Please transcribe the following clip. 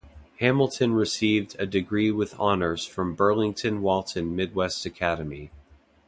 Hamilton received a degree with honors from Burlington Walton Midwest Academy.